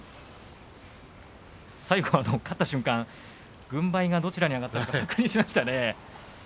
最後勝った瞬間、軍配はどちらに上がったか確認しましたね。